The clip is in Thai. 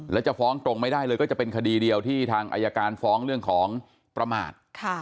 แล้วจะฟ้องตรงไม่ได้เลยก็จะเป็นคดีเดียวที่ทางอายการฟ้องเรื่องของประมาท